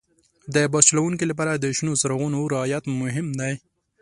د بس چلوونکي لپاره د شنو څراغونو رعایت مهم دی.